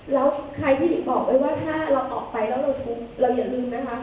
แล้วใครที่หลีกออกไว้ว่าถ้าเราออกไปแล้วเราทุกข์เราอย่าลืมไหมคะ